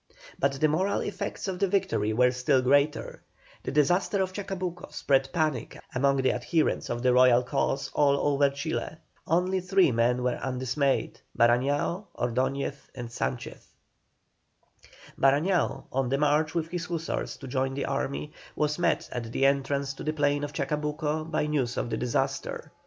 But the moral effects of the victory were still greater; the disaster of Chacabuco spread panic among the adherents of the Royal cause all over Chile. Only three men were undismayed Barañao, Ordoñez, and Sanchez. Barañao, on the march with his hussars to join the army, was met at the entrance to the plain of Chacabuco by news of the disaster.